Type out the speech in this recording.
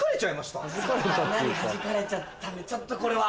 穴に弾かれちゃったんでちょっとこれは。